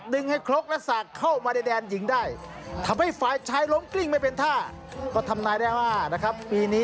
คุ้นหน้าบ้านนะครับ